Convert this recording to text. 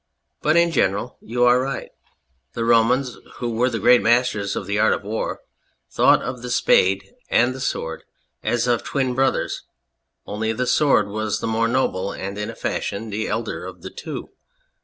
But in general you are right : the Romans, who were the great masters of the art of war, thought of the spade and of the sword as of twin brothers, only the sword was the more noble, and in a fashion the elder of the two.